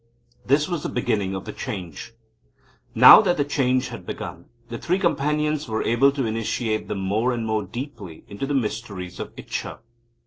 This was the beginning of the change. Now that the change had begun, the Three Companions were able to initiate them more and more deeply into the mysteries of Ichcha.